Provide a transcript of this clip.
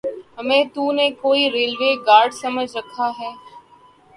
ہمیں تو نے کوئی ریلوے گارڈ سمجھ رکھا ہے؟